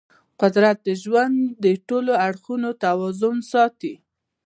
قدرت د ژوند د ټولو اړخونو توازن ساتي.